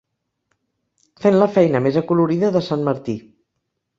Fent la feina més acolorida de sant Martí.